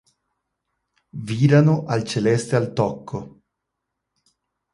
Virano al celeste al tocco.